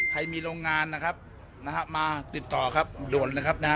ใครมีโรงงานนะครับนะฮะมาติดต่อครับด่วนเลยครับนะฮะ